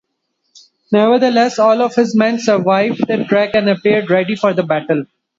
Nevertheless, all of his men survived the trek and appeared ready for battle.